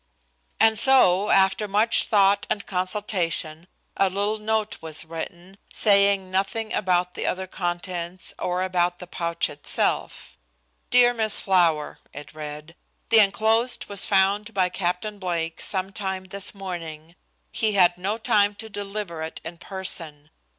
And so, after much thought and consultation, a little note was written, saying nothing about the other contents or about the pouch itself. "Dear Miss Flower:" it read. "The enclosed was found by Captain Blake some time this morning. He had no time to deliver it in person.